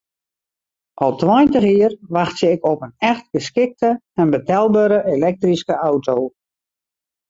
Al tweintich jier wachtsje ik op in echt geskikte en betelbere elektryske auto.